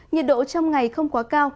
nhiệt độ trong ngày không quá cao